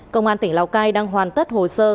công an tỉnh lào cai đang hoàn tất hồ sơ